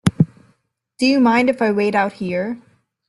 Do you mind if I wait out here?